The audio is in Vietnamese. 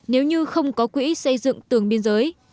nếu như không có quỹ xây dựng tường biên giới